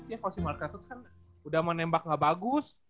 kalau si mark helmert kan udah menembak gak bagus